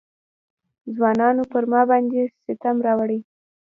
ځوانانو پر ما باندې ستم راوړی.